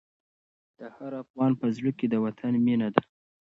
د هر افغان په زړه کې د وطن مینه ده.